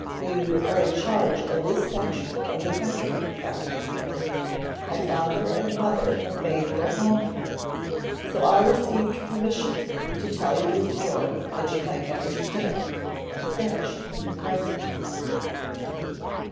You are in charge of this section of the country, Captain Seaman, my father and mother have made their home here, so I received permission to tell you the story that you might understand," he finished impressively.